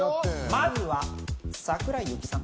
まずは桜井ユキさん。